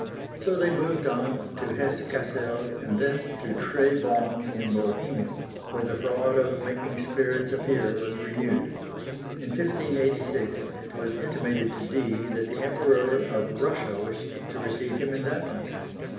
So they moved on to Hesse Cassel and thence to Tribau in Bohemia, where the fraud of making spirits appear was renewed. In 1586, it was intimated to Dee that the Emperor of Russia wished to receive him in that country.